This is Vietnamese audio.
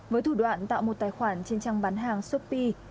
với thủ đoạn tạo một tài khoản trên trang bán hàng shopee